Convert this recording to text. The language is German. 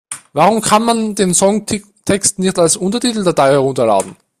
Warum kann man den Songtext nicht als Untertiteldatei herunterladen?